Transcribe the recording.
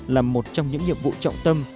là một trong những nhiệm vụ trọng tâm